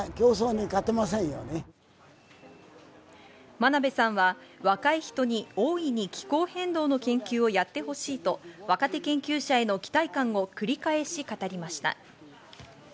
真鍋さんは、若い人に大いに気候変動の研究をやってほしいと若手研究者への期待感を繰り返し語りました。